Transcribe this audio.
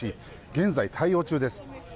現在、対応中です。